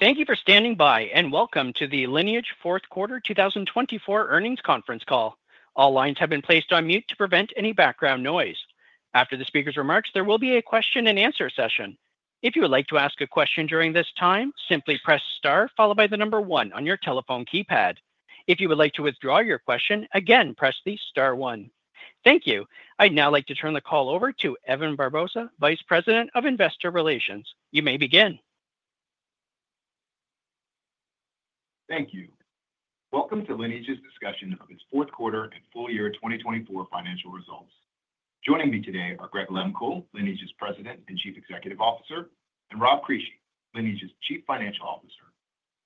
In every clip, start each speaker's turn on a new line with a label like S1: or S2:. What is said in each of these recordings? S1: Thank you for standing by, and welcome to the Lineage Fourth Quarter 2024 Earnings Conference Call. All lines have been placed on mute to prevent any background noise. After the speaker's remarks, there will be a question-and-answer session. If you would like to ask a question during this time, simply press star followed by the number one on your telephone keypad. If you would like to withdraw your question, again, press the star one. Thank you. I'd now like to turn the call over to Evan Barbosa, Vice President of Investor Relations. You may begin.
S2: Thank you. Welcome to Lineage's discussion of its fourth quarter and full year 2024 financial results. Joining me today are Greg Lehmkuhl, Lineage's President and Chief Executive Officer, and Rob Crisci, Lineage's Chief Financial Officer.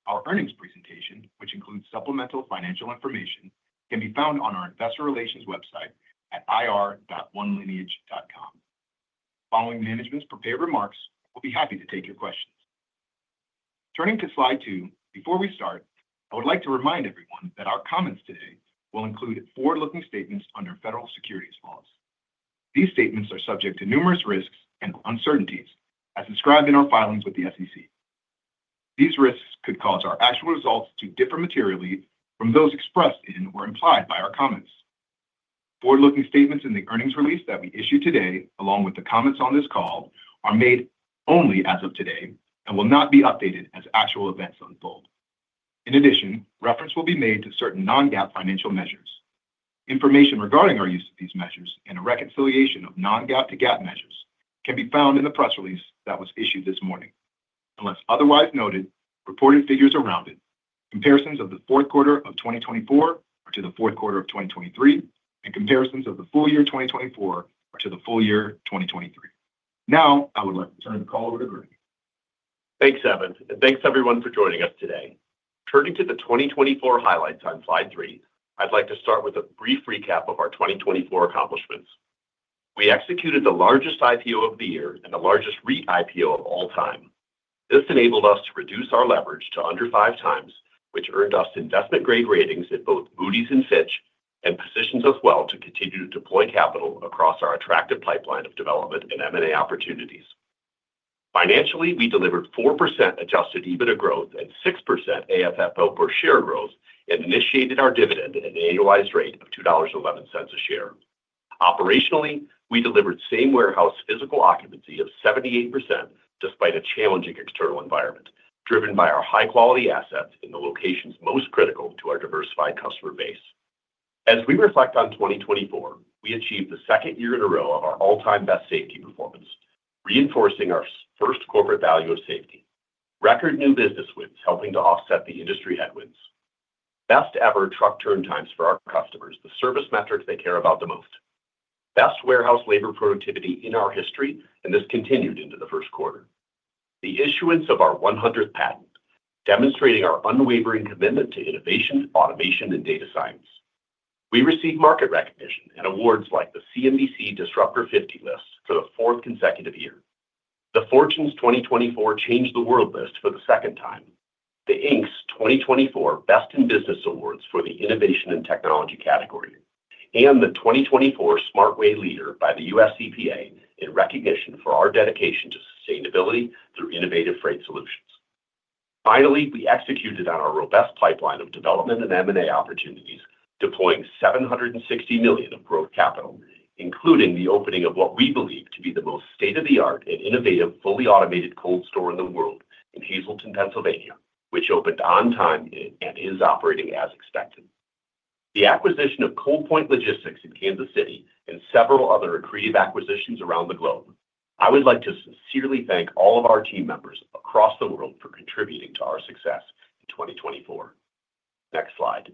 S2: Our earnings presentation, which includes supplemental financial information, can be found on our Investor Relations website at ir.onelineage.com. Following management's prepared remarks, we'll be happy to take your questions. Turning to slide two, before we start, I would like to remind everyone that our comments today will include forward-looking statements under federal securities laws. These statements are subject to numerous risks and uncertainties, as described in our filings with the SEC. These risks could cause our actual results to differ materially from those expressed in or implied by our comments. Forward-looking statements in the earnings release that we issue today, along with the comments on this call, are made only as of today and will not be updated as actual events unfold. In addition, reference will be made to certain non-GAAP financial measures. Information regarding our use of these measures and a reconciliation of non-GAAP to GAAP measures can be found in the press release that was issued this morning. Unless otherwise noted, reported figures are rounded. Comparisons of the fourth quarter of 2024 are to the fourth quarter of 2023, and comparisons of the full year 2024 are to the full year 2023. Now, I would like to turn the call over to Greg.
S3: Thanks, Evan. And thanks, everyone, for joining us today. Turning to the 2024 highlights on slide three, I'd like to start with a brief recap of our 2024 accomplishments. We executed the largest IPO of the year and the largest REIT IPO of all time. This enabled us to reduce our leverage to under five times, which earned us investment-grade ratings at both Moody's and Fitch, and positions us well to continue to deploy capital across our attractive pipeline of development and M&A opportunities. Financially, we delivered 4% adjusted EBITDA growth and 6% AFFO per share growth and initiated our dividend at an annualized rate of $2.11 a share. Operationally, we delivered same warehouse physical occupancy of 78% despite a challenging external environment, driven by our high-quality assets in the locations most critical to our diversified customer base. As we reflect on 2024, we achieved the second year in a row of our all-time best safety performance, reinforcing our first corporate value of safety. Record new business wins, helping to offset the industry headwinds. Best ever truck turn times for our customers, the service metric they care about the most. Best warehouse labor productivity in our history, and this continued into the first quarter. The issuance of our 100th patent, demonstrating our unwavering commitment to innovation, automation, and data science. We received market recognition and awards like the CNBC Disruptor 50 list for the fourth consecutive year. The Fortune's 2024 Change the World list for the second time, the Inc.'s 2024 Best in Business awards for the Innovation and Technology category, and the 2024 SmartWay Leader by the U.S. EPA in recognition for our dedication to sustainability through innovative freight solutions. Finally, we executed on our robust pipeline of development and M&A opportunities, deploying $760 million of gross capital, including the opening of what we believe to be the most state-of-the-art and innovative fully automated cold store in the world in Hazleton, Pennsylvania, which opened on time and is operating as expected. The acquisition of Coldpoint Logistics in Kansas City and several other accretive acquisitions around the globe. I would like to sincerely thank all of our team members across the world for contributing to our success in 2024. Next slide.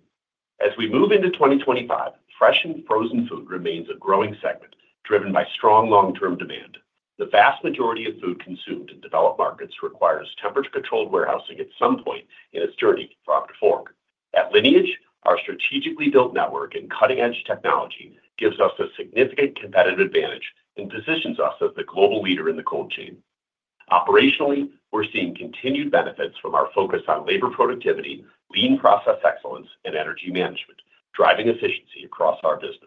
S3: As we move into 2025, fresh and frozen food remains a growing segment driven by strong long-term demand. The vast majority of food consumed in developed markets requires temperature-controlled warehousing at some point in its journey from farm to fork. At Lineage, our strategically built network and cutting-edge technology gives us a significant competitive advantage and positions us as the global leader in the cold chain. Operationally, we're seeing continued benefits from our focus on labor productivity, Lean process excellence, and energy management, driving efficiency across our business.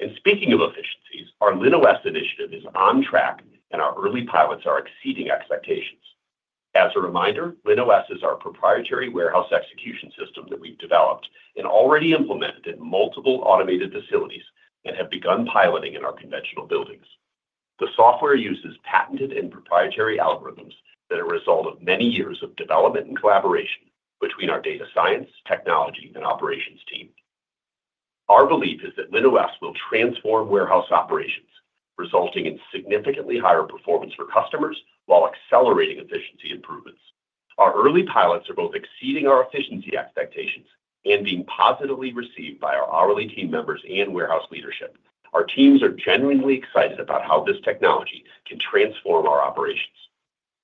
S3: And speaking of efficiencies, our LinOS initiative is on track, and our early pilots are exceeding expectations. As a reminder, LinOS is our proprietary warehouse execution system that we've developed and already implemented in multiple automated facilities and have begun piloting in our conventional buildings. The software uses patented and proprietary algorithms that are a result of many years of development and collaboration between our data science, technology, and operations team. Our belief is that LinOS will transform warehouse operations, resulting in significantly higher performance for customers while accelerating efficiency improvements. Our early pilots are both exceeding our efficiency expectations and being positively received by our hourly team members and warehouse leadership. Our teams are genuinely excited about how this technology can transform our operations.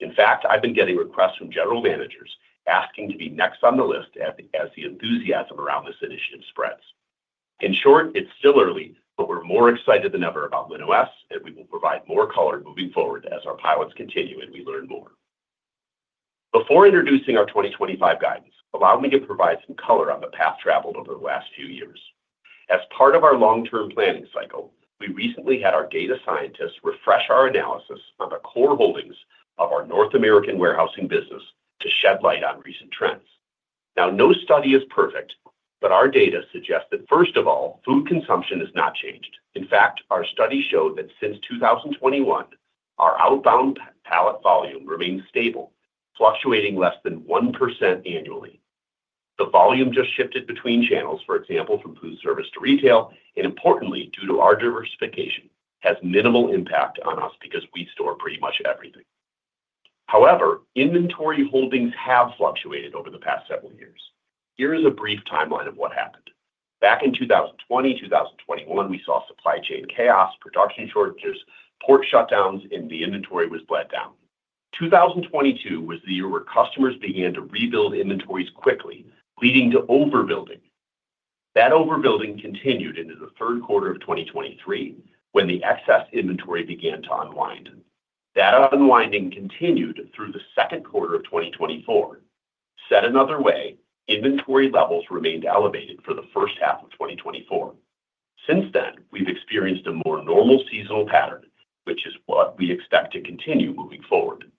S3: In fact, I've been getting requests from general managers asking to be next on the list as the enthusiasm around this initiative spreads. In short, it's still early, but we're more excited than ever about LinOS, and we will provide more color moving forward as our pilots continue and we learn more. Before introducing our 2025 guidance, allow me to provide some color on the path traveled over the last few years. As part of our long-term planning cycle, we recently had our data scientists refresh our analysis on the core holdings of our North American warehousing business to shed light on recent trends. Now, no study is perfect, but our data suggests that, first of all, food consumption has not changed. In fact, our study showed that since 2021, our outbound pallet volume remains stable, fluctuating less than 1% annually. The volume just shifted between channels, for example, from food service to retail, and importantly, due to our diversification, has minimal impact on us because we store pretty much everything. However, inventory holdings have fluctuated over the past several years. Here is a brief timeline of what happened. Back in 2020, 2021, we saw supply chain chaos, production shortages, port shutdowns, and the inventory was bled down. 2022 was the year where customers began to rebuild inventories quickly, leading to overbuilding. That overbuilding continued into the third quarter of 2023 when the excess inventory began to unwind. That unwinding continued through the second quarter of 2024. Said another way, inventory levels remained elevated for the first half of 2024. Since then, we've experienced a more normal seasonal pattern, which is what we expect to continue moving forward.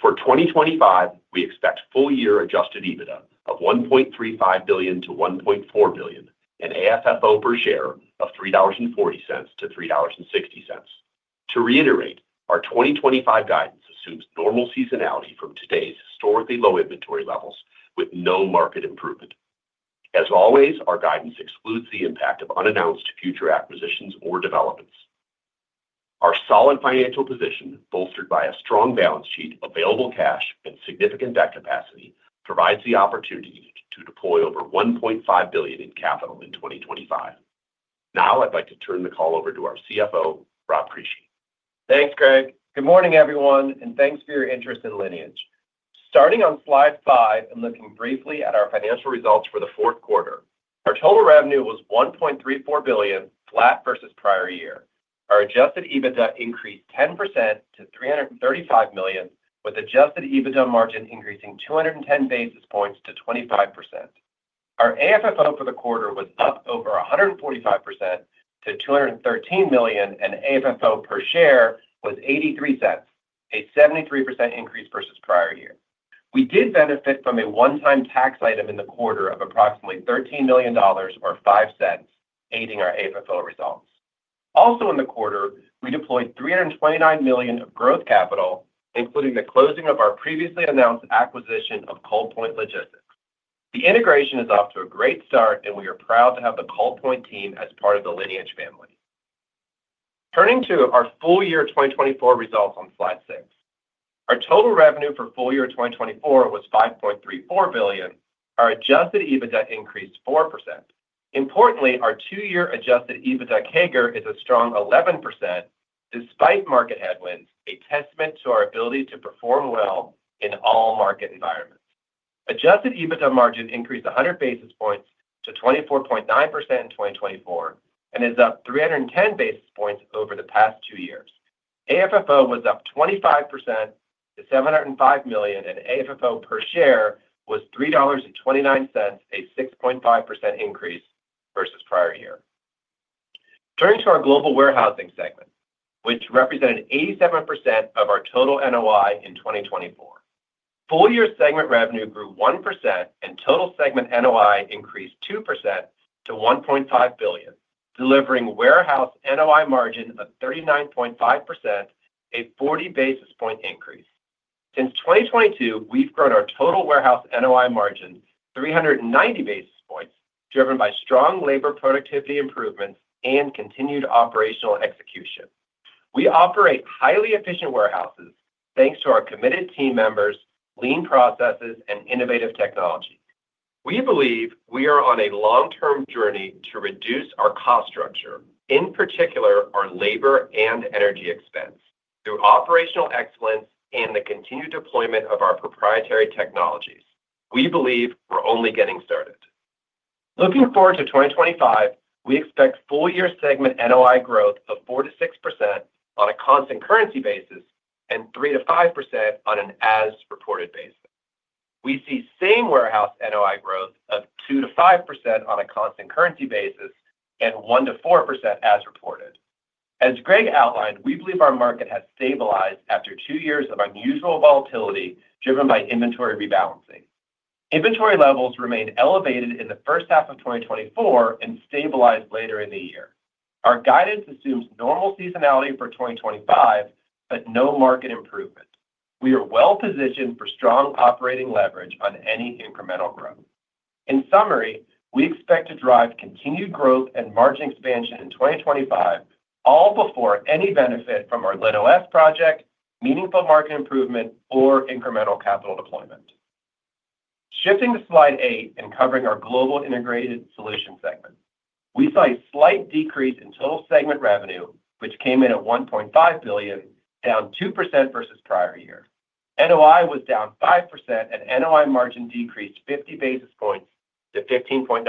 S3: For 2025, we expect full year Adjusted EBITDA of $1.35 billion-$1.4 billion and AFFO per share of $3.40-$3.60. To reiterate, our 2025 guidance assumes normal seasonality from today's historically low inventory levels with no market improvement. As always, our guidance excludes the impact of unannounced future acquisitions or developments. Our solid financial position, bolstered by a strong balance sheet, available cash, and significant debt capacity, provides the opportunity to deploy over $1.5 billion in capital in 2025. Now, I'd like to turn the call over to our CFO, Rob Crisci.
S4: Thanks, Greg. Good morning, everyone, and thanks for your interest in Lineage. Starting on Slide 5 and looking briefly at our financial results for the fourth quarter, our total revenue was $1.34 billion, flat versus prior year. Our adjusted EBITDA increased 10% to $335 million, with adjusted EBITDA margin increasing 210 basis points to 25%. Our AFFO for the quarter was up over 145% to $213 million, and AFFO per share was $0.83, a 73% increase versus prior year. We did benefit from a one-time tax item in the quarter of approximately $13 million or $0.05, aiding our AFFO results. Also, in the quarter, we deployed $329 million of gross capital, including the closing of our previously announced acquisition of Coldpoint Logistics. The integration is off to a great start, and we are proud to have the Coldpoint team as part of the Lineage family. Turning to our full year 2024 results on slide six, our total revenue for full year 2024 was $5.34 billion. Our Adjusted EBITDA increased 4%. Importantly, our two-year Adjusted EBITDA CAGR is a strong 11% despite market headwinds, a testament to our ability to perform well in all market environments. Adjusted EBITDA margin increased 100 basis points to 24.9% in 2024 and is up 310 basis points over the past two years. AFFO was up 25% to $705 million, and AFFO per share was $3.29, a 6.5% increase versus prior year. Turning to our Global Warehousing segment, which represented 87% of our total NOI in 2024, full year segment revenue grew 1%, and total segment NOI increased 2% to $1.5 billion, delivering warehouse NOI margin of 39.5%, a 40 basis point increase. Since 2022, we've grown our total warehouse NOI margin 390 basis points, driven by strong labor productivity improvements and continued operational execution. We operate highly efficient warehouses thanks to our committed team members, Lean processes, and innovative technology. We believe we are on a long-term journey to reduce our cost structure, in particular our labor and energy expense, through operational excellence and the continued deployment of our proprietary technologies. We believe we're only getting started. Looking forward to 2025, we expect full year segment NOI growth of 4%-6% on a constant currency basis and 3%-5% on an as-reported basis. We see same warehouse NOI growth of 2%-5% on a constant currency basis and 1%-4% as reported. As Greg outlined, we believe our market has stabilized after two years of unusual volatility driven by inventory rebalancing. Inventory levels remained elevated in the first half of 2024 and stabilized later in the year. Our guidance assumes normal seasonality for 2025, but no market improvement. We are well-positioned for strong operating leverage on any incremental growth. In summary, we expect to drive continued growth and margin expansion in 2025, all before any benefit from our LinOS project, meaningful market improvement, or incremental capital deployment. Shifting to slide eight and covering our Global Integrated Solutions segment, we saw a slight decrease in total segment revenue, which came in at $1.5 billion, down 2% versus prior year. NOI was down 5%, and NOI margin decreased 50 basis points to 15.9%.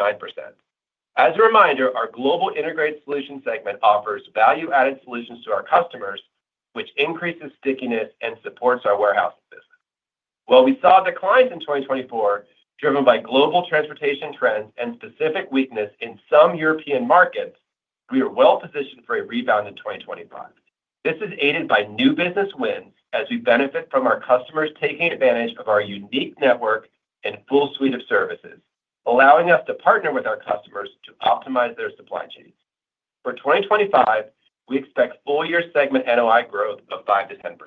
S4: As a reminder, our Global Integrated Solutions segment offers value-added solutions to our customers, which increases stickiness and supports our warehousing business. While we saw declines in 2024 driven by global transportation trends and specific weakness in some European markets, we are well-positioned for a rebound in 2025. This is aided by new business wins as we benefit from our customers taking advantage of our unique network and full suite of services, allowing us to partner with our customers to optimize their supply chains. For 2025, we expect full year segment NOI growth of 5%-10%.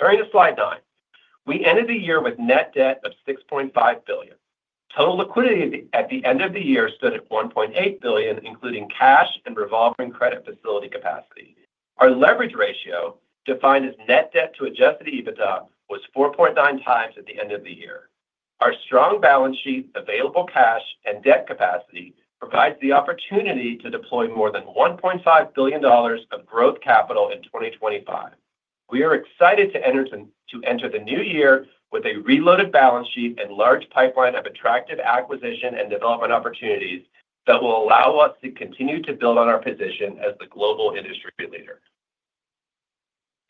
S4: Turning to slide nine, we ended the year with net debt of $6.5 billion. Total liquidity at the end of the year stood at $1.8 billion, including cash and revolving credit facility capacity. Our leverage ratio, defined as net debt to adjusted EBITDA, was 4.9 times at the end of the year. Our strong balance sheet, available cash, and debt capacity provide the opportunity to deploy more than $1.5 billion of gross capital in 2025. We are excited to enter the new year with a reloaded balance sheet and large pipeline of attractive acquisition and development opportunities that will allow us to continue to build on our position as the global industry leader.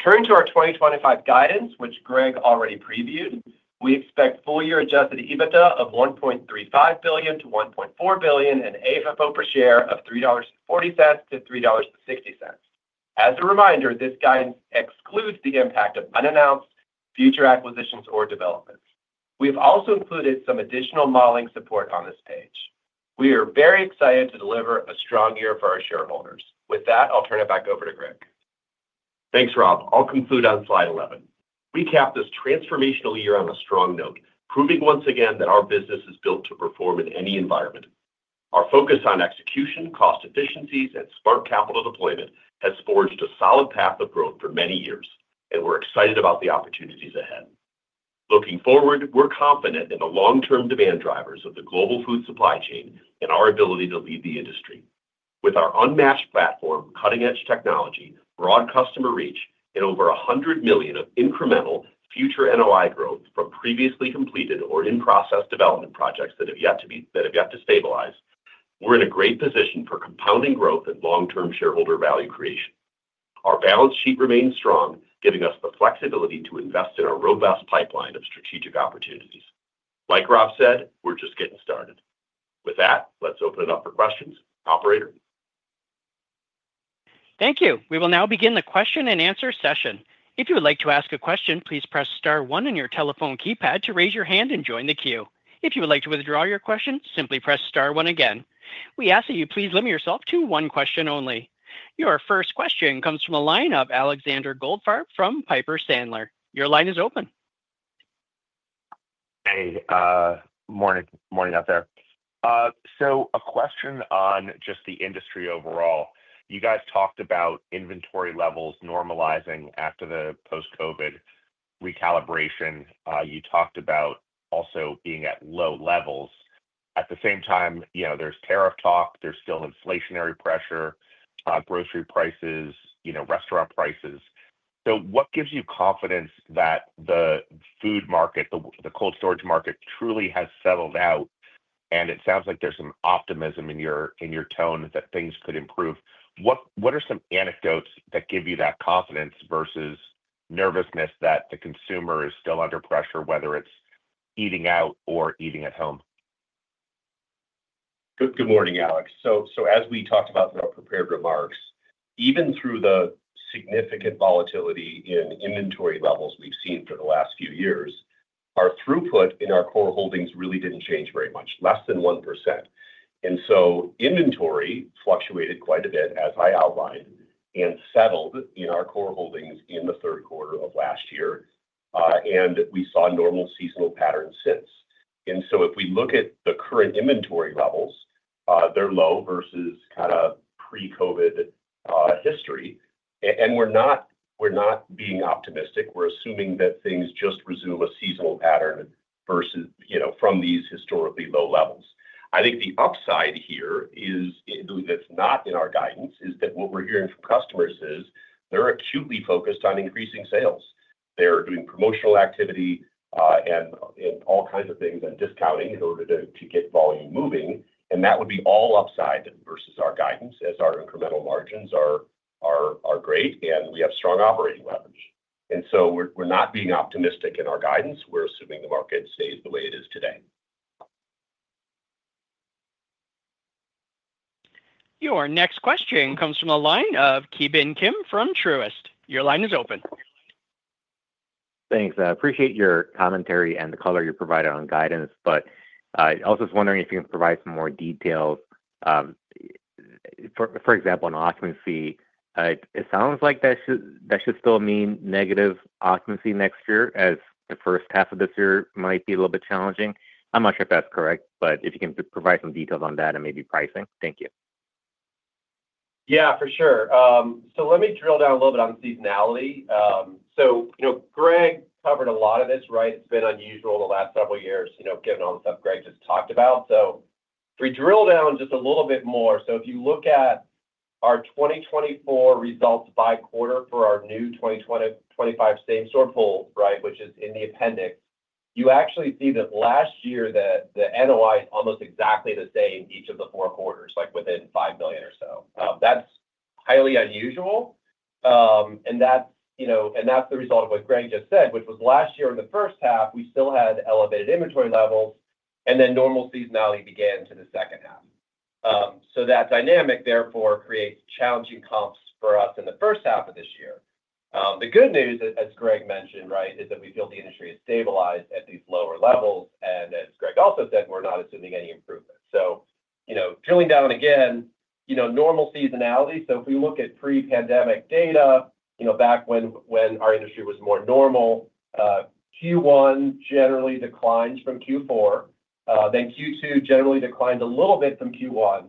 S4: Turning to our 2025 guidance, which Greg already previewed, we expect full year Adjusted EBITDA of $1.35 billion-$1.4 billion and AFFO per share of $3.40-$3.60. As a reminder, this guidance excludes the impact of unannounced future acquisitions or developments. We have also included some additional modeling support on this page. We are very excited to deliver a strong year for our shareholders. With that, I'll turn it back over to Greg.
S3: Thanks, Rob. I'll conclude on slide 11. Recap this transformational year on a strong note, proving once again that our business is built to perform in any environment. Our focus on execution, cost efficiencies, and smart capital deployment has forged a solid path of growth for many years, and we're excited about the opportunities ahead. Looking forward, we're confident in the long-term demand drivers of the global food supply chain and our ability to lead the industry. With our unmatched platform, cutting-edge technology, broad customer reach, and over 100 million of incremental future NOI growth from previously completed or in-process development projects that have yet to stabilize, we're in a great position for compounding growth and long-term shareholder value creation. Our balance sheet remains strong, giving us the flexibility to invest in a robust pipeline of strategic opportunities. Like Rob said, we're just getting started. With that, let's open it up for questions. Operator.
S1: Thank you. We will now begin the question and answer session. If you would like to ask a question, please press star one on your telephone keypad to raise your hand and join the queue. If you would like to withdraw your question, simply press star one again. We ask that you please limit yourself to one question only. Your first question comes from a line of Alexander Goldfarb from Piper Sandler. Your line is open.
S5: Hey. Morning out there. So a question on just the industry overall. You guys talked about inventory levels normalizing after the post-COVID recalibration. You talked about also being at low levels. At the same time, there's tariff talk. There's still inflationary pressure, grocery prices, restaurant prices. So what gives you confidence that the food market, the cold storage market, truly has settled out? And it sounds like there's some optimism in your tone that things could improve. What are some anecdotes that give you that confidence versus nervousness that the consumer is still under pressure, whether it's eating out or eating at home?
S3: Good morning, Alex. So as we talked about in our prepared remarks, even through the significant volatility in inventory levels we've seen for the last few years, our throughput in our core holdings really didn't change very much, less than 1%. And so inventory fluctuated quite a bit, as I outlined, and settled in our core holdings in the third quarter of last year. And we saw normal seasonal patterns since. And so if we look at the current inventory levels, they're low versus kind of pre-COVID history. And we're not being optimistic. We're assuming that things just resume a seasonal pattern from these historically low levels. I think the upside here is, that's not in our guidance, is that what we're hearing from customers is they're acutely focused on increasing sales. They're doing promotional activity and all kinds of things and discounting in order to get volume moving. And that would be all upside versus our guidance as our incremental margins are great and we have strong operating levels. And so we're not being optimistic in our guidance. We're assuming the market stays the way it is today.
S1: Your next question comes from a line of Ki Bin Kim from Truist. Your line is open.
S6: Thanks. I appreciate your commentary and the color you provided on guidance, but I was also wondering if you can provide some more details. For example, on occupancy, it sounds like that should still mean negative occupancy next year as the first half of this year might be a little bit challenging. I'm not sure if that's correct, but if you can provide some details on that and maybe pricing? Thank you.
S4: Yeah, for sure. So let me drill down a little bit on seasonality. So Greg covered a lot of this, right? It's been unusual in the last several years, given all the stuff Greg just talked about. So if we drill down just a little bit more, so if you look at our 2024 results by quarter for our new 2025 Same Store pool, which is in the appendix, you actually see that last year the NOI is almost exactly the same each of the four quarters, like within $5 million or so. That's highly unusual. And that's the result of what Greg just said, which was last year in the first half, we still had elevated inventory levels, and then normal seasonality began to the second half. So that dynamic, therefore, creates challenging comps for us in the first half of this year. The good news, as Greg mentioned, is that we feel the industry has stabilized at these lower levels, and as Greg also said, we're not assuming any improvement, so drilling down again, normal seasonality, so if we look at pre-pandemic data back when our industry was more normal, Q1 generally declined from Q4, then Q2 generally declined a little bit from Q1.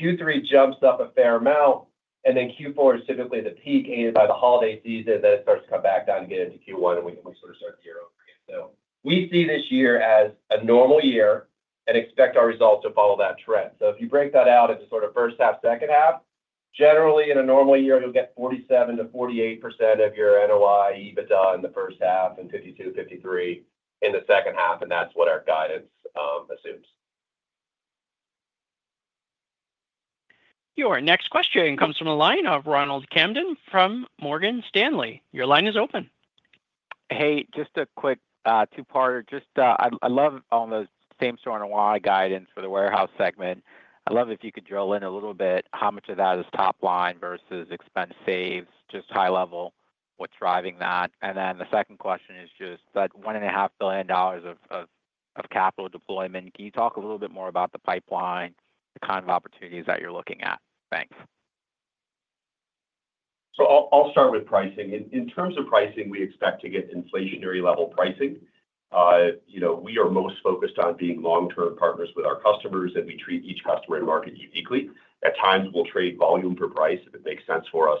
S4: Q3 jumps up a fair amount, and then Q4 is typically the peak aided by the holiday season, then it starts to come back down to Q1, and we sort of start to zero over here, so we see this year as a normal year and expect our results to follow that trend. So if you break that out into sort of first half, second half, generally in a normal year, you'll get 47%-48% of your NOI EBITDA in the first half and 52%-53% in the second half. And that's what our guidance assumes.
S1: Your next question comes from a line of Ronald Kamdem from Morgan Stanley. Your line is open.
S7: Hey, just a quick two-parter. I love all the Same Store NOI guidance for the warehouse segment. I'd love if you could drill in a little bit how much of that is top line versus expense saves, just high level, what's driving that. And then the second question is just that $1.5 billion of capital deployment. Can you talk a little bit more about the pipeline, the kind of opportunities that you're looking at? Thanks.
S3: I'll start with pricing. In terms of pricing, we expect to get inflationary level pricing. We are most focused on being long-term partners with our customers, and we treat each customer and market uniquely. At times, we'll trade volume for price if it makes sense for us.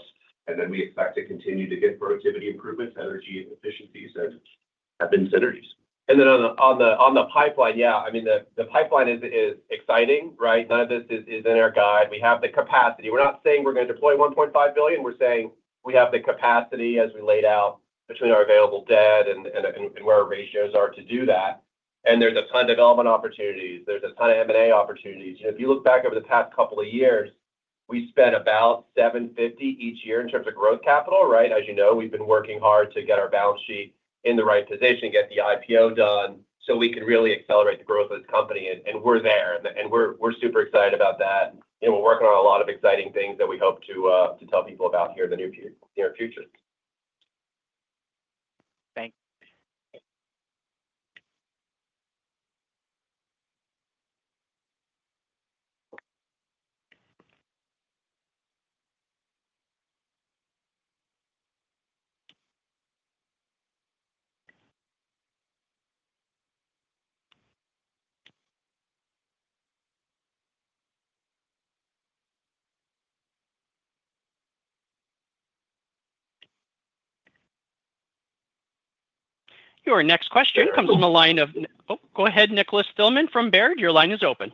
S3: We expect to continue to get productivity improvements, energy efficiencies, and revenue synergies. On the pipeline, yeah, I mean, the pipeline is exciting. None of this is in our guide. We have the capacity. We're not saying we're going to deploy $1.5 billion. We're saying we have the capacity as we laid out between our available debt and where our ratios are to do that. There's a ton of development opportunities. There's a ton of M&A opportunities. If you look back over the past couple of years, we spent about $750 each year in terms of growth capital. As you know, we've been working hard to get our balance sheet in the right position, get the IPO done so we can really accelerate the growth of this company, and we're there, and we're super excited about that, and we're working on a lot of exciting things that we hope to tell people about here in the near future.
S1: Thanks. Your next question comes from a line of, oh, go ahead, Nicholas Thillman from Baird. Your line is open.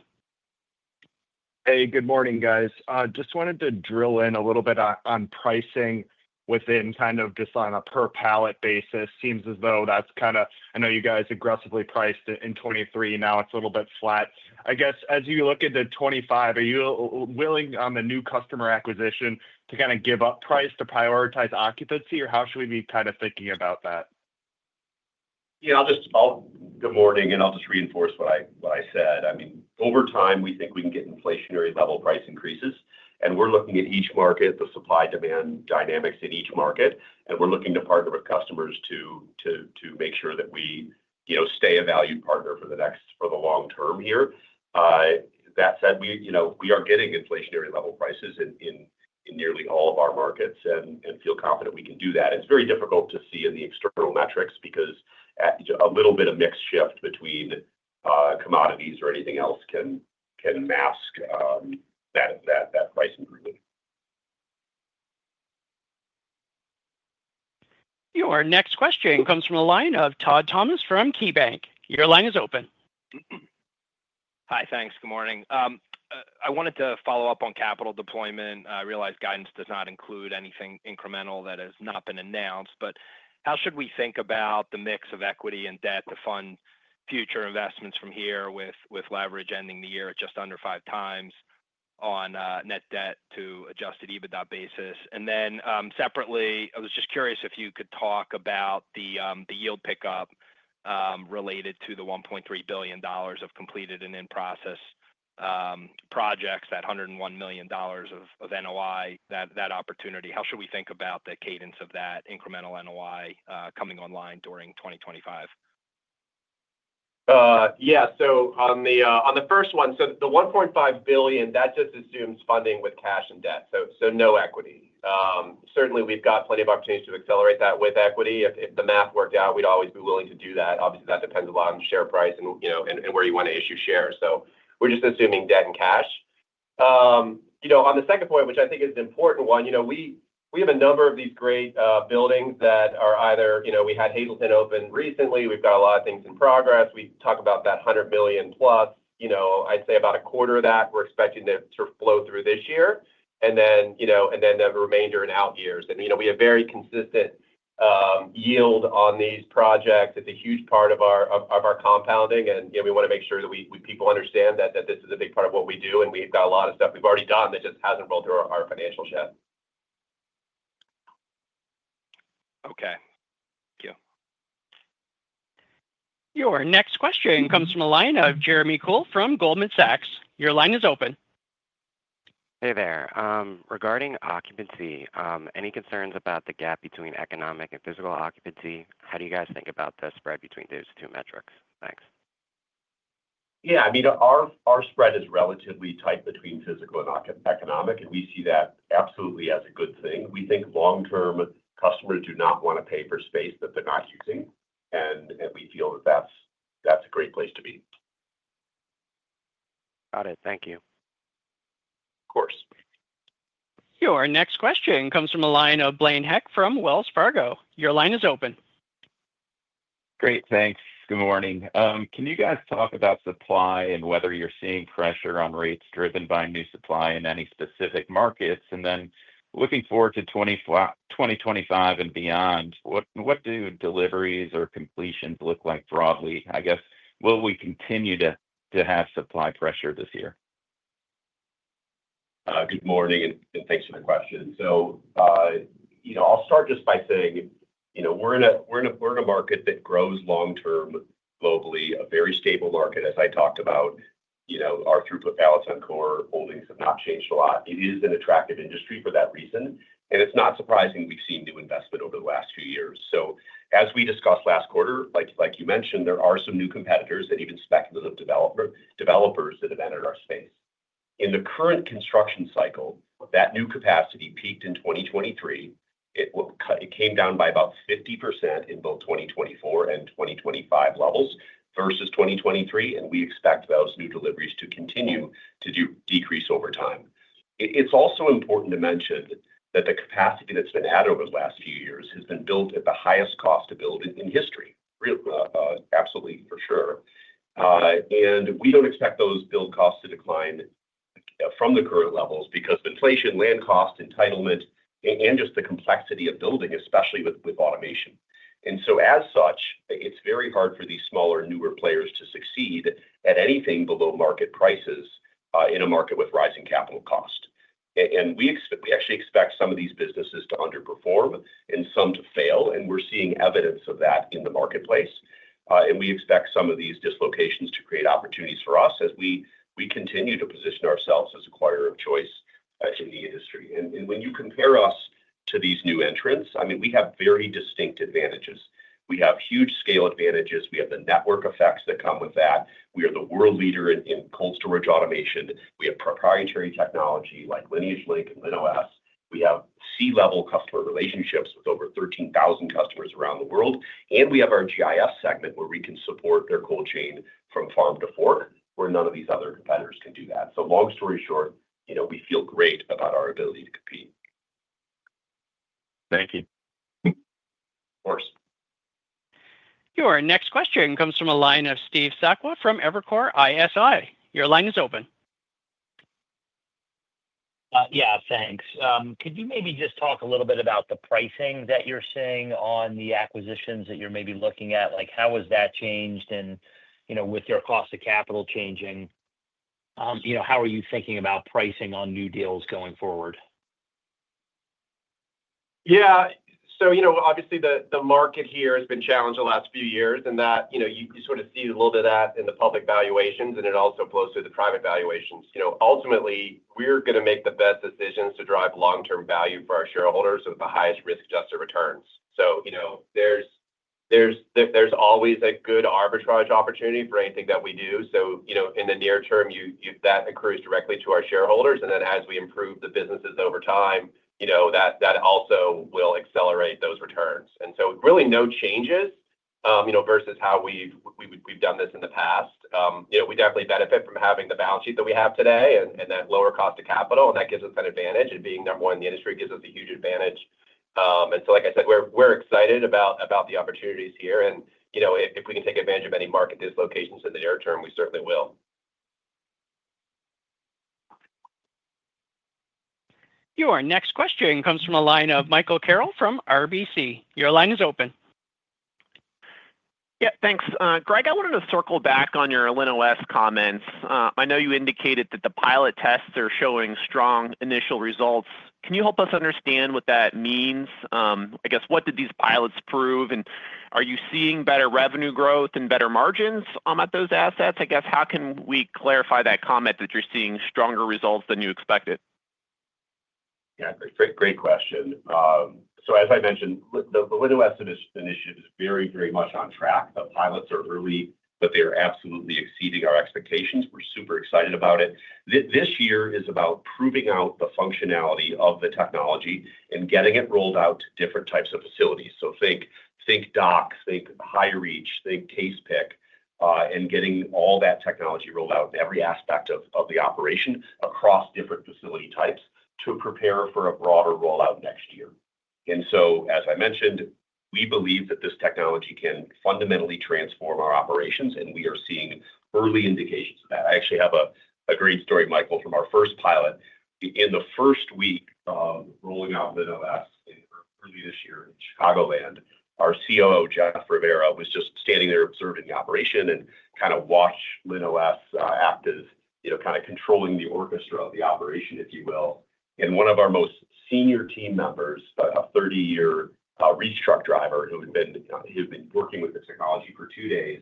S8: Hey, good morning, guys. Just wanted to drill in a little bit on pricing within kind of just on a per-pallet basis. Seems as though that's kind of, I know you guys aggressively priced in 2023. Now it's a little bit flat. I guess as you look into 2025, are you willing on the new customer acquisition to kind of give up price to prioritize occupancy, or how should we be kind of thinking about that?
S3: Yeah, I'll just, good morning, and I'll just reinforce what I said. I mean, over time, we think we can get inflationary level price increases, and we're looking at each market, the supply-demand dynamics in each market, and we're looking to partner with customers to make sure that we stay a valued partner for the long term here. That said, we are getting inflationary level prices in nearly all of our markets and feel confident we can do that. It's very difficult to see in the external metrics because a little bit of mixed shift between commodities or anything else can mask that price improvement.
S1: Your next question comes from a line of Todd Thomas from KeyBanc. Your line is open.
S9: Hi, thanks. Good morning. I wanted to follow up on capital deployment. I realize guidance does not include anything incremental that has not been announced, but how should we think about the mix of equity and debt to fund future investments from here with leverage ending the year at just under five times on net debt to Adjusted EBITDA basis? And then separately, I was just curious if you could talk about the yield pickup related to the $1.3 billion of completed and in-process projects, that $101 million of NOI, that opportunity. How should we think about the cadence of that incremental NOI coming online during 2025?
S3: Yeah. So on the first one, so the $1.5 billion, that just assumes funding with cash and debt, so no equity. Certainly, we've got plenty of opportunities to accelerate that with equity. If the math worked out, we'd always be willing to do that. Obviously, that depends a lot on share price and where you want to issue shares. So we're just assuming debt and cash. On the second point, which I think is an important one, we have a number of these great buildings that are either, we had Hazleton open recently. We've got a lot of things in progress. We talk about that $100 million plus. I'd say about a quarter of that we're expecting to flow through this year, and then the remainder in out years, and we have very consistent yield on these projects. It's a huge part of our compounding. And we want to make sure that people understand that this is a big part of what we do. And we've got a lot of stuff we've already done that just hasn't rolled through our financials.
S9: Okay. Thank you.
S1: Your next question comes from a line of Jeremy Kuhl from Goldman Sachs. Your line is open.
S10: Hey there. Regarding occupancy, any concerns about the gap between economic and physical occupancy? How do you guys think about the spread between those two metrics? Thanks.
S3: Yeah. I mean, our spread is relatively tight between physical and economic, and we see that absolutely as a good thing. We think long-term customers do not want to pay for space that they're not using, and we feel that that's a great place to be.
S10: Got it. Thank you.
S3: Of course.
S1: Your next question comes from a line of Blaine Heck from Wells Fargo. Your line is open.
S11: Great. Thanks. Good morning. Can you guys talk about supply and whether you're seeing pressure on rates driven by new supply in any specific markets? And then looking forward to 2025 and beyond, what do deliveries or completions look like broadly? I guess, will we continue to have supply pressure this year?
S3: Good morning, and thanks for the question, so I'll start just by saying we're in a market that grows long-term globally, a very stable market, as I talked about. Our throughput balance on core holdings have not changed a lot. It is an attractive industry for that reason, and it's not surprising we've seen new investment over the last few years, so as we discussed last quarter, like you mentioned, there are some new competitors and even speculative developers that have entered our space.In the current construction cycle, that new capacity peaked in 2023. It came down by about 50% in both 2024 and 2025 levels versus 2023, and we expect those new deliveries to continue to decrease over time. It's also important to mention that the capacity that's been added over the last few years has been built at the highest cost to build in history, absolutely, for sure, and we don't expect those build costs to decline from the current levels because of inflation, land cost, entitlement, and just the complexity of building, especially with automation, and so as such, it's very hard for these smaller, newer players to succeed at anything below market prices in a market with rising capital cost, and we actually expect some of these businesses to underperform and some to fail, and we're seeing evidence of that in the marketplace, and we expect some of these dislocations to create opportunities for us as we continue to position ourselves as a choice of choice in the industry, and when you compare us to these new entrants. I mean, we have very distinct advantages. We have huge scale advantages. We have the network effects that come with that. We are the world leader in cold storage automation. We have proprietary technology like Lineage Link and LinOS. We have C-level customer relationships with over 13,000 customers around the world. And we have our GIS segment where we can support their cold chain from farm to fork where none of these other competitors can do that. So long story short, we feel great about our ability to compete.
S11: Thank you.
S3: Of course.
S1: Your next question comes from a line of Steve Sakwa from Evercore ISI. Your line is open.
S12: Yeah, thanks. Could you maybe just talk a little bit about the pricing that you're seeing on the acquisitions that you're maybe looking at? How has that changed with your cost of capital changing? How are you thinking about pricing on new deals going forward?
S3: Yeah. So obviously, the market here has been challenged the last few years, and you sort of see a little bit of that in the public valuations, and it also flows through the private valuations. Ultimately, we're going to make the best decisions to drive long-term value for our shareholders with the highest risk-adjusted returns, so there's always a good arbitrage opportunity for anything that we do, so in the near term, that accrues directly to our shareholders, and then as we improve the businesses over time, that also will accelerate those returns, and so really no changes versus how we've done this in the past. We definitely benefit from having the balance sheet that we have today and that lower cost of capital, and that gives us that advantage of being number one in the industry, which gives us a huge advantage. And so like I said, we're excited about the opportunities here. And if we can take advantage of any market dislocations in the near term, we certainly will.
S1: Your next question comes from a line of Michael Carroll from RBC. Your line is open.
S13: Yeah, thanks. Greg, I wanted to circle back on your LinOS comments. I know you indicated that the pilot tests are showing strong initial results. Can you help us understand what that means? I guess, what did these pilots prove? And are you seeing better revenue growth and better margins at those assets? I guess, how can we clarify that comment that you're seeing stronger results than you expected?
S3: Yeah, great question. So as I mentioned, the LinOS initiative is very, very much on track. The pilots are early, but they are absolutely exceeding our expectations. We're super excited about it. This year is about proving out the functionality of the technology and getting it rolled out to different types of facilities. So think docks, think high-reach, think case pick, and getting all that technology rolled out in every aspect of the operation across different facility types to prepare for a broader rollout next year. And so as I mentioned, we believe that this technology can fundamentally transform our operations. And we are seeing early indications of that. I actually have a great story, Michael, from our first pilot. In the first week of rolling out LinOS early this year in Chicagoland, our COO, Jeff Rivera, was just standing there observing the operation and kind of watched LinOS act as kind of controlling the orchestra of the operation, if you will, and one of our most senior team members, a 30-year reach truck driver who had been working with the technology for two days,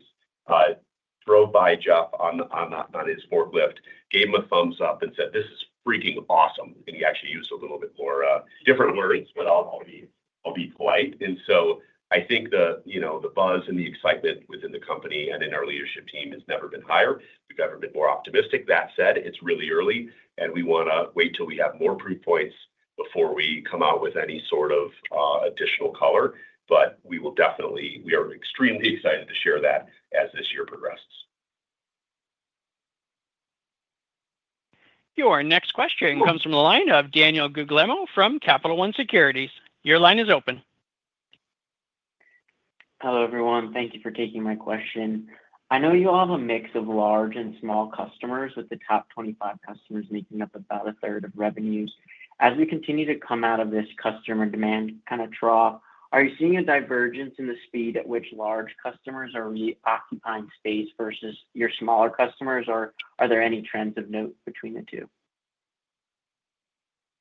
S3: drove by Jeff on his forklift, gave him a thumbs up, and said, "This is freaking awesome," and he actually used a little bit more different words, but I'll be polite, and so I think the buzz and the excitement within the company and in our leadership team has never been higher. We've never been more optimistic. That said, it's really early, and we want to wait till we have more proof points before we come out with any sort of additional color. But we are extremely excited to share that as this year progresses.
S1: Your next question comes from the line of Daniel Guglielmo from Capital One Securities. Your line is open.
S14: Hello, everyone. Thank you for taking my question. I know you all have a mix of large and small customers with the top 25 customers making up about a third of revenues. As we continue to come out of this customer demand kind of trough, are you seeing a divergence in the speed at which large customers are really occupying space versus your smaller customers? Or are there any trends of note between the two?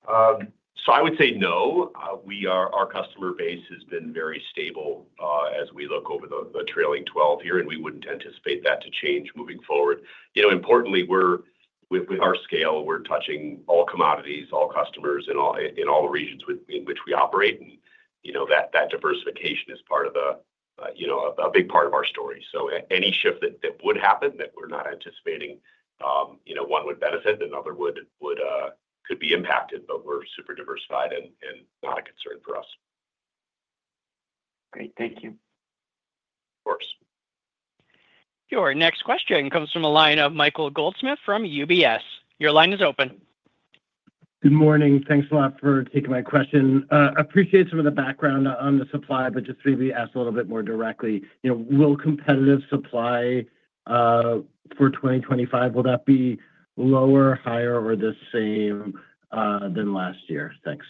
S3: So I would say no. Our customer base has been very stable as we look over the trailing 12 here. And we wouldn't anticipate that to change moving forward. Importantly, with our scale, we're touching all commodities, all customers in all the regions in which we operate. And that diversification is part of a big part of our story. So any shift that would happen that we're not anticipating, one would benefit, another could be impacted. But we're super diversified and not a concern for us.
S14: Great. Thank you.
S3: Of course.
S1: Your next question comes from a line of Michael Goldsmith from UBS. Your line is open.
S15: Good morning. Thanks a lot for taking my question. I appreciate some of the background on the supply, but just maybe ask a little bit more directly. Will competitive supply for 2025, will that be lower, higher, or the same than last year? Thanks.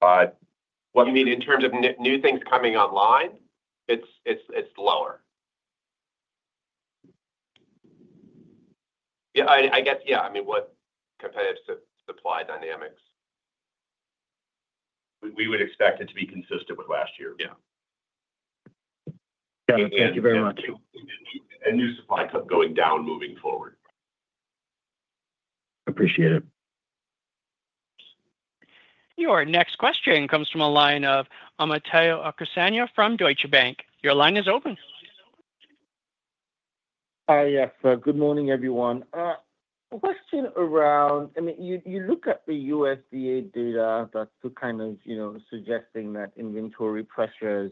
S3: What do you mean in terms of new things coming online? It's lower. Yeah, I guess, yeah. I mean, what competitive supply dynamics? We would expect it to be consistent with last year. Yeah.
S15: Thank you very much.
S3: New supply going down moving forward.
S15: Appreciate it.
S1: Your next question comes from a line of Amit Mehrotra from Deutsche Bank. Your line is open.
S16: Hi, yes. Good morning, everyone. A question around, I mean, you look at the USDA data that's kind of suggesting that inventory pressures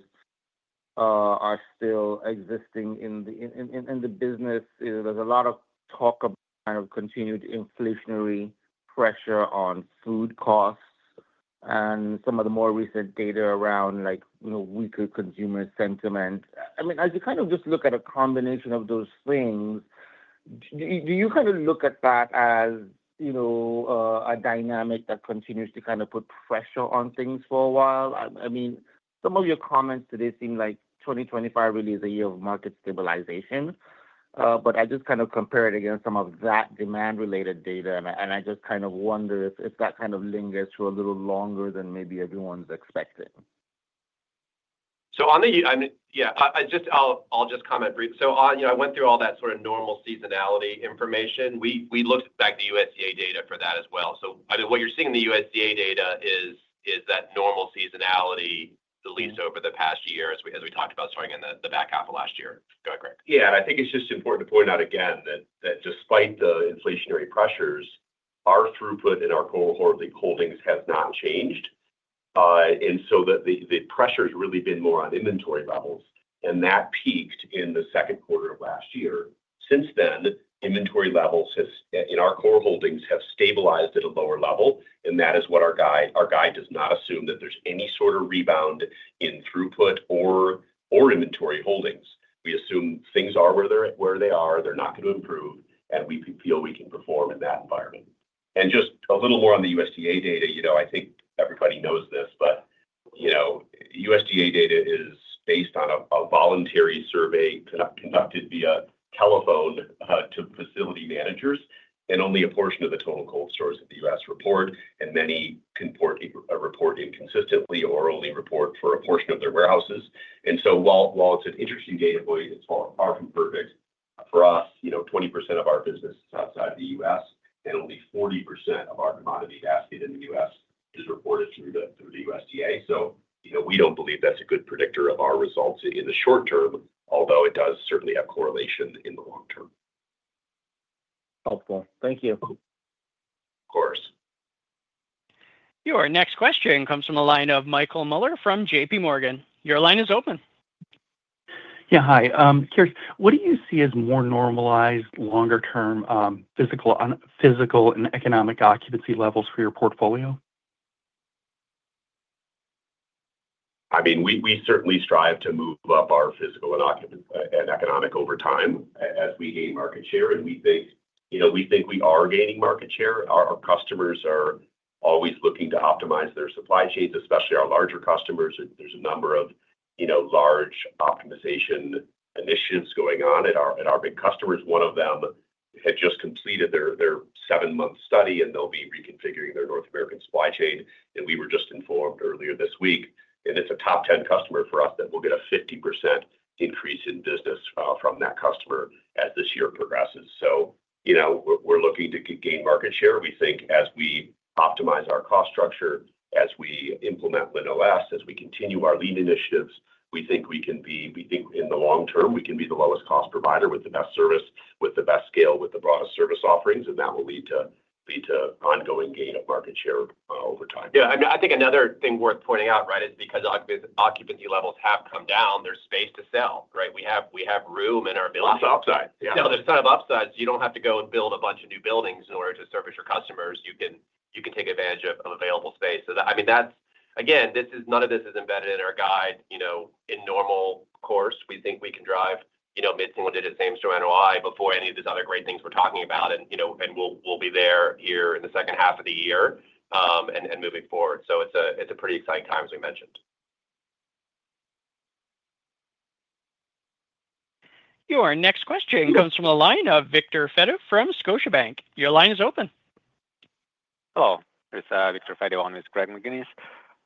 S16: are still existing in the business. There's a lot of talk about kind of continued inflationary pressure on food costs and some of the more recent data around weaker consumer sentiment. I mean, as you kind of just look at a combination of those things, do you kind of look at that as a dynamic that continues to kind of put pressure on things for a while? I mean, some of your comments today seem like 2025 really is a year of market stabilization, but I just kind of compare it against some of that demand-related data, and I just kind of wonder if that kind of lingers for a little longer than maybe everyone's expecting. So yeah, I'll just comment briefly. So I went through all that sort of normal seasonality information. We looked back at the USDA data for that as well. So I mean, what you're seeing in the USDA data is that normal seasonality at least over the past year, as we talked about starting in the back half of last year. Go ahead, Greg.
S3: Yeah. And I think it's just important to point out again that despite the inflationary pressures, our throughput in our core holdings has not changed. And so the pressure has really been more on inventory levels. And that peaked in the second quarter of last year. Since then, inventory levels in our core holdings have stabilized at a lower level. And that is what our guide does, not assume that there's any sort of rebound in throughput or inventory holdings. We assume things are where they are. They're not going to improve. And we feel we can perform in that environment. And just a little more on the USDA data. I think everybody knows this, but USDA data is based on a voluntary survey conducted via telephone to facility managers. And only a portion of the total cold stores in the U.S. report. And many can report inconsistently or only report for a portion of their warehouses. And so while it's an interesting data point, it's far from perfect. For us, 20% of our business is outside the U.S. And only 40% of our commodity basket in the U.S. is reported through the USDA. So we don't believe that's a good predictor of our results in the short term, although it does certainly have correlation in the long term.
S16: Helpful. Thank you.
S3: Of course.
S1: Your next question comes from a line of Michael Mueller from J.P. Morgan. Your line is open.
S17: Yeah, hi. Curious, what do you see as more normalized longer-term physical and economic occupancy levels for your portfolio?
S3: I mean, we certainly strive to move up our physical and economic over time as we gain market share, and we think we are gaining market share. Our customers are always looking to optimize their supply chains, especially our larger customers. There's a number of large optimization initiatives going on at our big customers. One of them had just completed their seven-month study, and they'll be reconfiguring their North American supply chain, and we were just informed earlier this week, and it's a top 10 customer for us that we'll get a 50% increase in business from that customer as this year progresses, so we're looking to gain market share. We think as we optimize our cost structure, as we implement LinOS, as we continue our Lean initiatives, we think we can be in the long term, we can be the lowest cost provider with the best service, with the best scale, with the broadest service offerings, and that will lead to ongoing gain of market share over time.
S17: Yeah. I mean, I think another thing worth pointing out, right, is because occupancy levels have come down, there's space to sell, right?
S4: We have room in our building. Lots of upsides. Yeah. There's a ton of upsides. You don't have to go and build a bunch of new buildings in order to service your customers. You can take advantage of available space. So I mean, again, none of this is embedded in our guide. In normal course, we think we can drive mid-single-digit same-store NOI before any of these other great things we're talking about. And we'll be there here in the second half of the year and moving forward. So it's a pretty exciting time, as we mentioned.
S1: Your next question comes from a line of Victor Fadool from Scotiabank. Your line is open.
S18: Hello. It's Victor Fadool on with Greg McGinniss.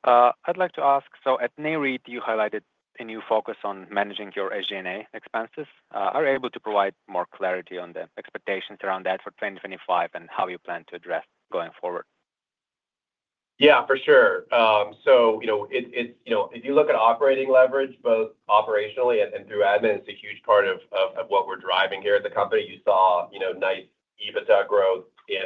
S18: I'd like to ask, so at Nareit, you highlighted a new focus on managing your SG&A expenses. Are you able to provide more clarity on the expectations around that for 2025 and how you plan to address going forward?
S3: Yeah, for sure. So if you look at operating leverage, both operationally and through admin, it's a huge part of what we're driving here at the company. You saw nice EBITDA growth in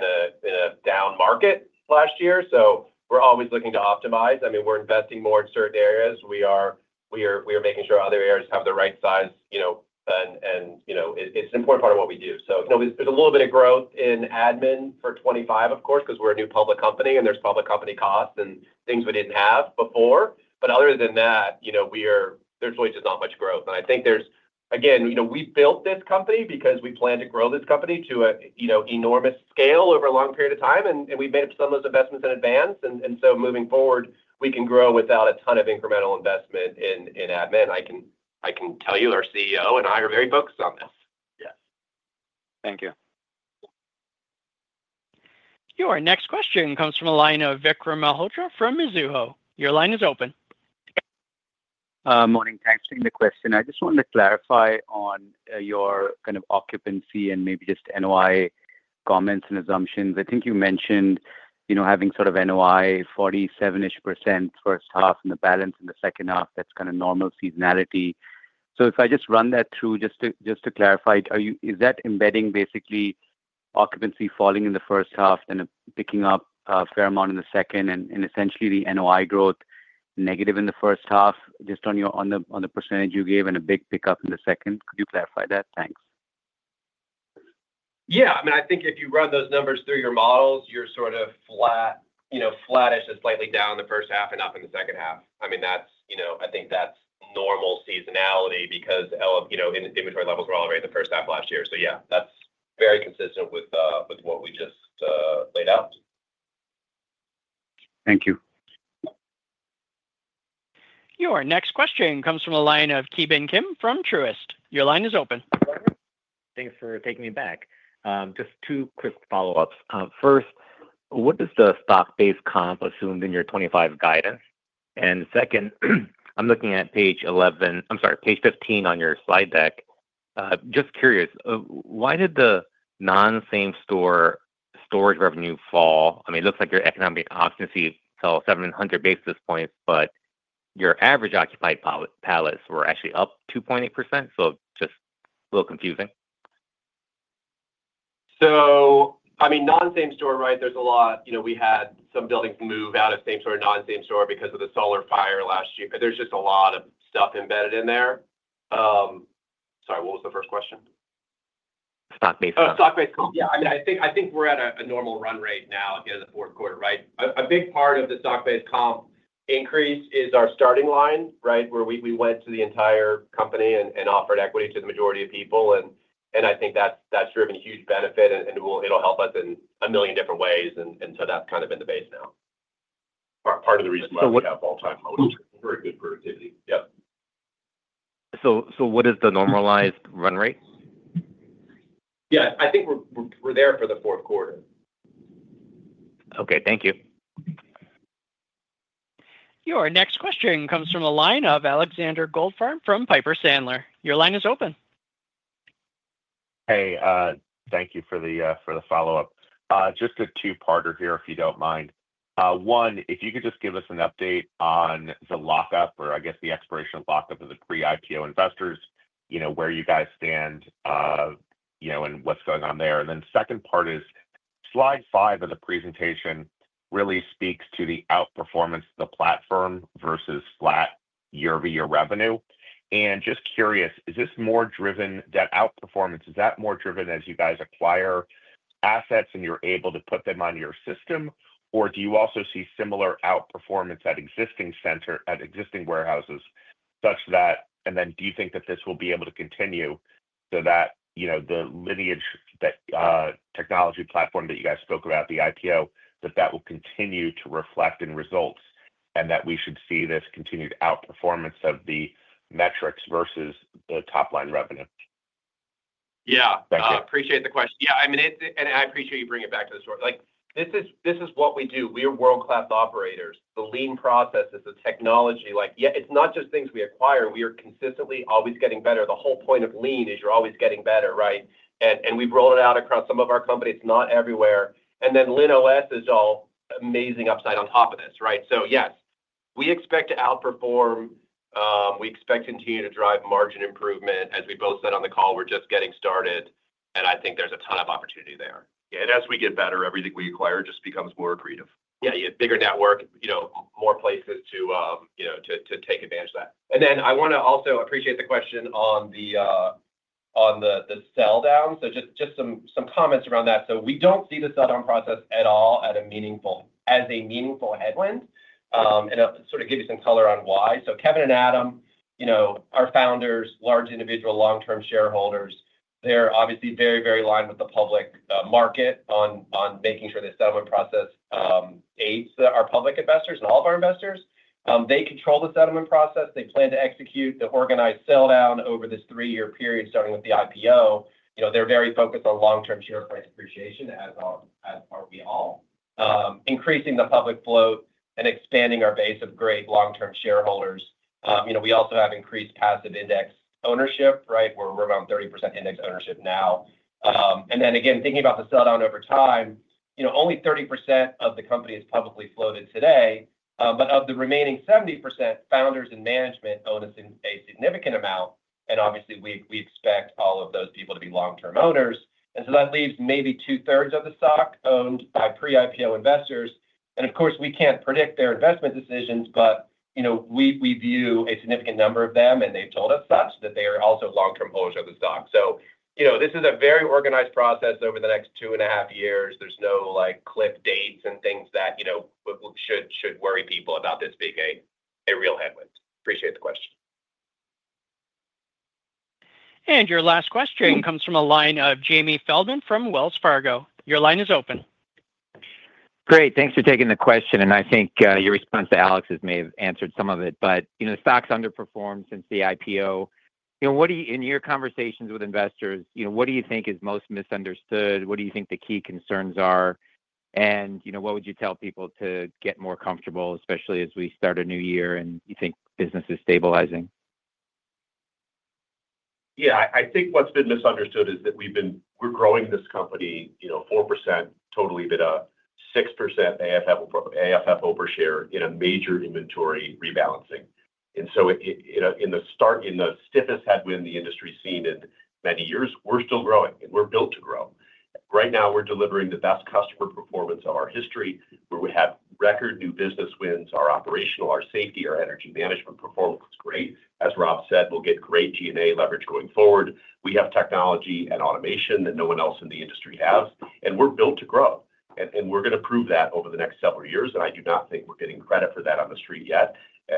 S3: a down market last year. So we're always looking to optimize. I mean, we're investing more in certain areas. We are making sure other areas have the right size. And it's an important part of what we do. So there's a little bit of growth in admin for 2025, of course, because we're a new public company. And there's public company costs and things we didn't have before. But other than that, there's really just not much growth. And I think there's, again, we built this company because we plan to grow this company to an enormous scale over a long period of time. And we've made some of those investments in advance. And so, moving forward, we can grow without a ton of incremental investment in admin. I can tell you our CEO and I are very focused on this. Yes. Thank you.
S1: Your next question comes from a line of Vikram Malhotra from Mizuho. Your line is open.
S19: Morning. Thanks for the question. I just wanted to clarify on your kind of occupancy and maybe just NOI comments and assumptions. I think you mentioned having sort of NOI 47-ish% first half and the balance in the second half. That's kind of normal seasonality. So if I just run that through just to clarify, is that embedding basically occupancy falling in the first half and picking up a fair amount in the second and essentially the NOI growth negative in the first half just on the percentage you gave and a big pickup in the second? Could you clarify that? Thanks.
S3: Yeah. I mean, I think if you run those numbers through your models, you're sort of flat-ish and slightly down in the first half and up in the second half. I mean, I think that's normal seasonality because inventory levels were all right in the first half last year. So yeah, that's very consistent with what we just laid out.
S19: Thank you.
S1: Your next question comes from a line of Ki Bin Kim from Truist. Your line is open.
S6: Thanks for taking me back. Just two quick follow-ups. First, what does the stock-based comp assume in your 2025 guidance? And second, I'm looking at Page 11. I'm sorry, Page 15 on your slide deck. Just curious, why did the non-same store storage revenue fall? I mean, it looks like your economic occupancy fell 700 basis points, but your average occupied pallets were actually up 2.8%. So just a little confusing.
S3: So I mean, non-same store, right, there's a lot we had some buildings move out of same store and non-same store because of the Solon Fire last year. There's just a lot of stuff embedded in there. Sorry, what was the first question? Stock-based comp. Stock-based comp. Yeah. I mean, I think we're at a normal run rate now at the end of the fourth quarter, right? A big part of the stock-based comp increase is our Starting Line, right, where we went to the entire company and offered equity to the majority of people. And I think that's driven a huge benefit. And it'll help us in a million different ways. And so that's kind of in the base now. Part of the reason why we have all-time lows. Very good productivity. Yep.
S6: What is the normalized run rate?
S3: Yeah. I think we're there for the fourth quarter.
S6: Okay. Thank you.
S1: Your next question comes from a line of Alexander Goldfarb from Piper Sandler. Your line is open.
S5: Hey. Thank you for the follow-up. Just a two-parter here, if you don't mind. One, if you could just give us an update on the lockup or, I guess, the expiration lockup of the REIT IPO investors, where you guys stand and what's going on there? Then second part is slide five of the presentation really speaks to the outperformance of the platform versus flat year-over-year revenue. And just curious, is this more driven by that outperformance? Is that more driven as you guys acquire assets and you're able to put them on your system? Or do you also see similar outperformance at existing warehouses such that? And then do you think that this will be able to continue so that the Lineage technology platform that you guys spoke about, the IPO, that that will continue to reflect in results and that we should see this continued outperformance of the metrics versus the top-line revenue? Yeah. Appreciate the question. Yeah. I mean, and I appreciate you bringing it back to the story. This is what we do. We are world-class operators. The Lean process is the technology. It's not just things we acquire. We are consistently always getting better. The whole point of Lean is you're always getting better, right? And we've rolled it out across some of our companies. It's not everywhere. And then LinOS is all amazing upside on top of this, right? So yes, we expect to outperform. We expect to continue to drive margin improvement. As we both said on the call, we're just getting started, and I think there's a ton of opportunity there. Yeah, and as we get better, everything we acquire just becomes more accretive. Yeah. Bigger network, more places to take advantage of that, and then I want to also appreciate the question on the sell-down. So just some comments around that, so we don't see the sell-down process at all as a meaningful headwind, and I'll sort of give you some color on why, so Kevin and Adam, our founders, large individual, long-term shareholders, they're obviously very, very aligned with the public market on making sure the sell-down process aids our public investors and all of our investors. They control the sell-down process. They plan to execute the organized sell-down over this three-year period, starting with the IPO. They're very focused on long-term share price appreciation, as are we all, increasing the public float and expanding our base of great long-term shareholders. We also have increased passive index ownership, right? We're around 30% index ownership now. And then again, thinking about the sell-down over time, only 30% of the company is publicly floated today. But of the remaining 70%, founders and management own a significant amount. And obviously, we expect all of those people to be long-term owners. And so that leaves maybe two-thirds of the stock owned by pre-IPO investors. And of course, we can't predict their investment decisions, but we view a significant number of them. And they've told us such that they are also long-term holders of the stock. So this is a very organized process over the next two and a half years. There's no cliff dates and things that should worry people about this being a real headwind. Appreciate the question.
S1: Your last question comes from a line of Jamie Feldman from Wells Fargo. Your line is open.
S20: Great. Thanks for taking the question. And I think your response to Alex may have answered some of it. But the stock's underperformed since the IPO. In your conversations with investors, what do you think is most misunderstood? What do you think the key concerns are? And what would you tell people to get more comfortable, especially as we start a new year and you think business is stabilizing?
S3: Yeah. I think what's been misunderstood is that we're growing this company 4% total Adjusted EBITDA, 6% AFFO per share in a major inventory rebalancing. And so in the stiffest headwind the industry's seen in many years, we're still growing. And we're built to grow. Right now, we're delivering the best customer performance of our history, where we have record new business wins. Our operational, our safety, our energy management performance is great. As Rob said, we'll get great G&A leverage going forward. We have technology and automation that no one else in the industry has. And we're built to grow. And we're going to prove that over the next several years. And I do not think we're getting credit for that on the Street yet.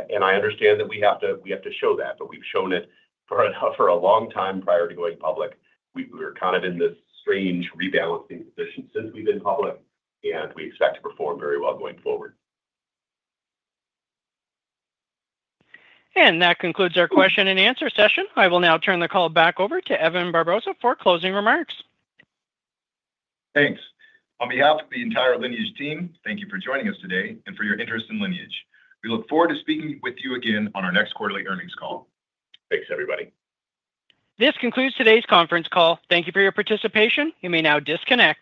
S3: And I understand that we have to show that. But we've shown it for a long time prior to going public. We were kind of in this strange rebalancing position since we've been public, and we expect to perform very well going forward.
S1: That concludes our question and answer session. I will now turn the call back over to Evan Barbosa for closing remarks.
S2: Thanks. On behalf of the entire Lineage team, thank you for joining us today and for your interest in Lineage. We look forward to speaking with you again on our next quarterly earnings call.
S3: Thanks, everybody.
S1: This concludes today's conference call. Thank you for your participation. You may now disconnect.